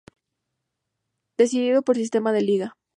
Decidido por sistema de liga.